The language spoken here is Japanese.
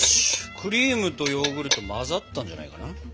クリームとヨーグルト混ざったんじゃないかな？